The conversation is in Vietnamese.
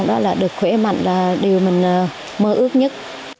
đó là được khỏe mạnh là điều mình mơ ước nhất